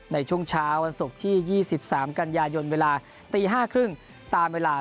ในช่วงเช้าวันศุกร์ที่๒๓กันยายนเวลาตี๕๓๐ตามเวลา